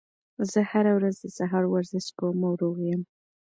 زه هره ورځ د سهار ورزش کوم او روغ یم